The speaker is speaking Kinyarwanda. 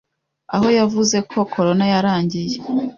aho yavuze ko "corona yarangiye".